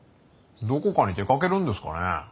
どこかに出かけるんですかね。